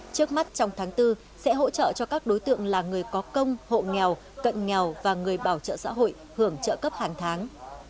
trước mắt trong tháng bốn sẽ hỗ trợ cho các đối tượng là người có công hộ nghèo cận nghèo và người bảo trợ xã hội hưởng trợ cấp hàng tháng